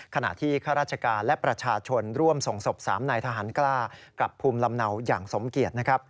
ขณะที่ข้าราชการและประชาชนร่วมส่งศพ๓นายทหารกล้ากับภูมิลำเนาอย่างสมเกียจ